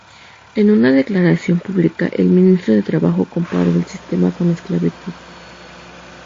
En una declaración pública el Ministro de Trabajo comparó el sistema con la esclavitud.